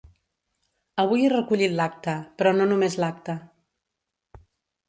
Avui he recollit l'acta, però no només l'acta.